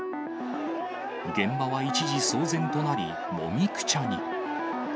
現場は一時騒然となり、もみくちゃに。